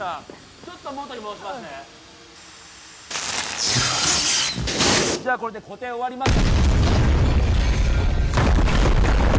ちょっともとに戻しますねじゃこれで固定終わりました